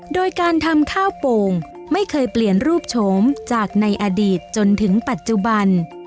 โดยการทำข้าวโป่งไม่เคยเปลี่ยนรูปโฉมจากในอดีตจนถึงปัจจุบัน